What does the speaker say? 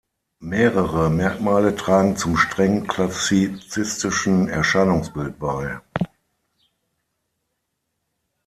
Mehrere Merkmale tragen zum streng klassizistischen Erscheinungsbild bei.